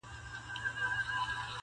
چي عادت وي چا اخیستی په شیدو کي-